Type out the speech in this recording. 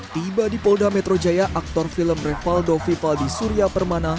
tiba di polda metro jaya aktor film revaldo vivaldi surya permana